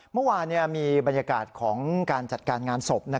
เมื่อวานมีบรรยากาศของการจัดการงานศพ